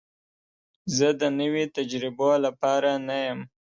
زه د نوي تجربو لپاره نه یم.